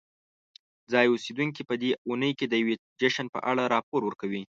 ځایی اوسیدونکي په دې اونۍ کې د یوې جشن په اړه راپور ورکوي.